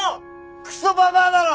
クソババアだろ！